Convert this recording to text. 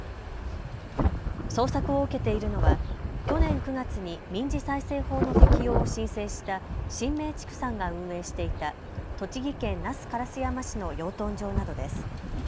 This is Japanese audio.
捜索を受けているのは去年９月に民事再生法の適用を申請した神明畜産が運営していた栃木県那須烏山市の養豚場などです。